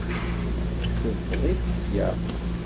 Ssufeɣ-itt ssya!